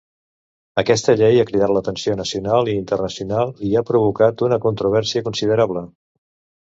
Aquesta llei ha cridat l'atenció nacional i internacional, i ha provocat una controvèrsia considerable.